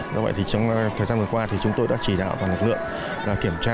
do vậy thì trong thời gian vừa qua thì chúng tôi đã chỉ đạo toàn lực lượng kiểm tra